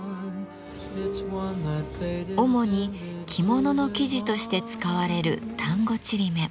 主に着物の生地として使われる丹後ちりめん。